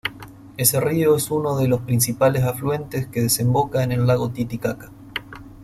Es río es uno de los principales afluentes que desemboca en el lago Titicaca.